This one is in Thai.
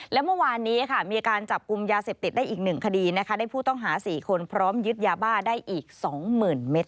และเมื่อวานนี้ค่ะมีการจับกลุ่มยาเสพติดได้อีก๑คดีนะคะได้ผู้ต้องหา๔คนพร้อมยึดยาบ้าได้อีก๒๐๐๐เมตร